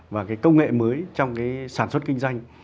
và cái công nghệ mới trong cái sản xuất kinh doanh